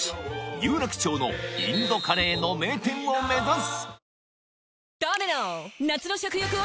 有楽町のインドカレーの名店を目指す！